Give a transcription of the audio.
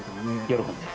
喜んで。